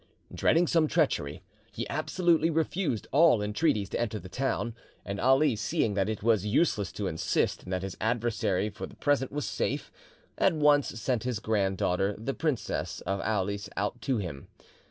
Dreading some treachery, he absolutely refused all entreaties to enter the town, and Ali seeing that it was useless to insist, and that his adversary for the present was safe, at once sent his grand daughter, the Princess of Aulis, out to him.